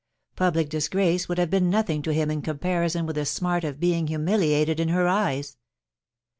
Public disgrace would have been nothing to him in comparison with the smart of being humiliated in her eyes.